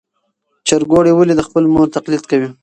چرګوړي ولې د خپلې مور تقلید کوي؟